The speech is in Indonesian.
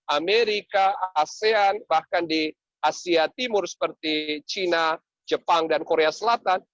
amerika asean bahkan di asia timur seperti china jepang dan korea selatan